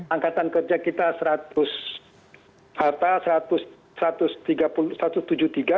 angkatan kerja kita rp satu ratus tujuh puluh tiga juta